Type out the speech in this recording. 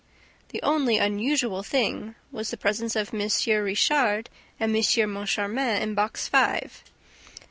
The only unusual thing was the presence of M. Richard and M. Moncharmin in Box Five.